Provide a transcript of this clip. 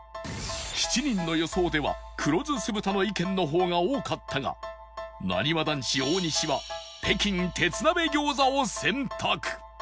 ７人の予想では黒酢酢豚の意見の方が多かったがなにわ男子大西は北京鉄鍋餃子を選択